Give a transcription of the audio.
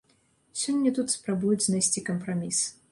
Сёння тут спрабуюць знайсці кампраміс.